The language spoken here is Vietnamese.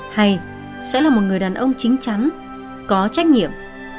hay sẽ là một người đàn ông chính chắn có trách nhiệm